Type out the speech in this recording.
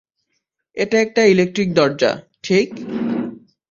এটা একটা ইলেক্ট্রিক দরজা, ঠিক?